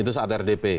itu saat rdp